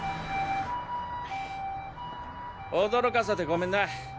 驚かせてごめんな。